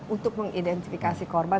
untuk mengidentifikasi korban